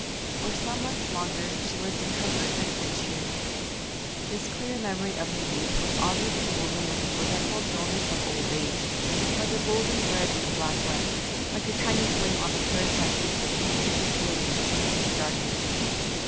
For some months longer she lived in comfort and good cheer. This clear memory of her youth was oddly interwoven with the forgetful dulness of old age, like a golden thread in a black web, like a tiny flame on the hearth that shoots with intermittent brilliancy into darkness.